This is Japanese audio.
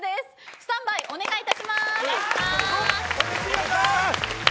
スタンバイお願いします。